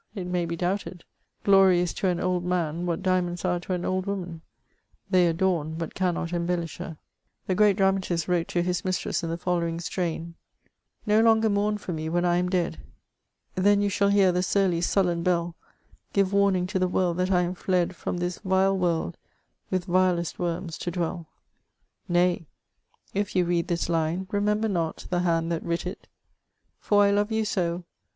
It may be doubted ; glory is to an old man, what diamonds axe to an old woman : they adorn, but cannot embellish her. CHATEAUBRIAND. 423 The great English dramatist wrote to liis mistress in the following strain: —Ko longer mourn for me when I am dead ; Then you shall hear the surly sullen hell Give warning to the world that I am fled From this vile world, with vilest worms to dwell I Nay, if you read this line, rememher not The hand that writ it ; for I love you so.